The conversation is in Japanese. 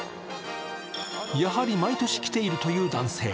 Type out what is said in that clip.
やはり毎年来ているという男性。